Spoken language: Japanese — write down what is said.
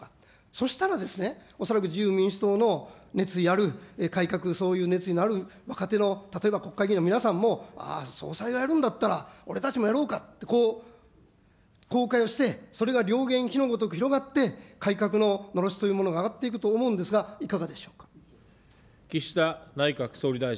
そしたらですね、恐らく自由民主党の熱意ある改革、そういう熱意のある、例えば若手の国会議員が、総裁がやるんだったら、俺たちもやろうかって、公開をして、それがのように広がって、改革ののろしというものが上がっていくと思うんですが、いかがでしょうか。